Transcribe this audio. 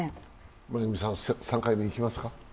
恵さん、３回目、行きますか？